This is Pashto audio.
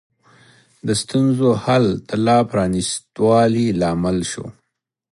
د ستونزو حل د لا پرانیست والي لامل شو.